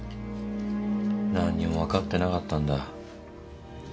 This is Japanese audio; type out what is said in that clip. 何にもわかってなかったんだ。